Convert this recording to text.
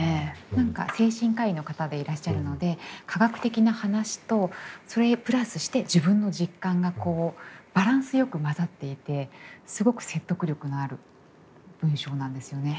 何か精神科医の方でいらっしゃるので科学的な話とそれにプラスして自分の実感がバランスよく混ざっていてすごく説得力のある文章なんですよね。